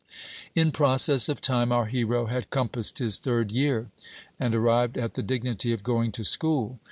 In process of time our hero had compassed his third year, and arrived at the dignity of going to school.